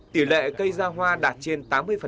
tỷ lệ cây ra hoa đạt trên tám mươi